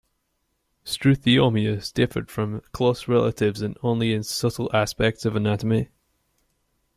"Struthiomimus" differed from close relatives only in subtle aspects of anatomy.